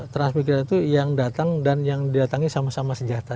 transmigrasi itu yang datang dan yang didatangi sama sama senjata